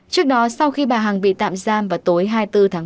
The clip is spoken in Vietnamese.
trước đó sau khi bà hằng bị tạm giam vào tối hai mươi bốn tháng ba